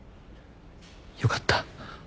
よかった。